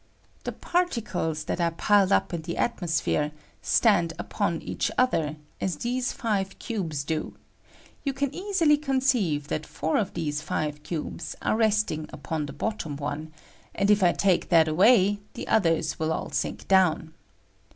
The particles that are piled up in the atmos phere stand upon each other, as these five cubes do ; you can easily conceive that four of these five cubes are resting upon the bottom one, and Fig. 28, if I take that away the others will all sink down.